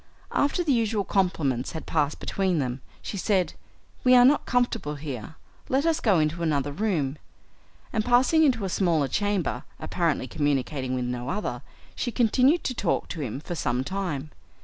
After the usual compliments had passed between them she said, "We are not comfortable here, let us go into another room," and passing into a smaller chamber, apparently communicating with no other, she continued to talk to him for some time.